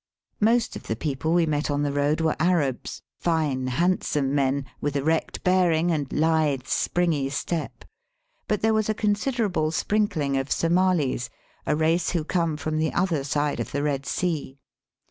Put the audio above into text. Most of the people we met on the road were Arabs, fine, handsome men, with erect bearing and Hthe, springy step; but there was a considerable sprinkling of SomaHs, a race who come from the other side of the Eed Sea.